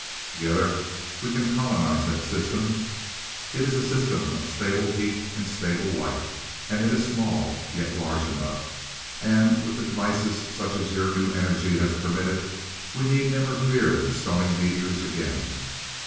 Together we can colonize that system! It is a system of stable heat and stable light. And it is small, yet large enough. And with the devices such as your new energy has permitted, we need never fear the stony meteors again."